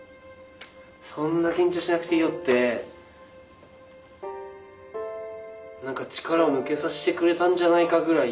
「そんな緊張しなくていいよ」って力を抜けさせてくれたんじゃないかぐらい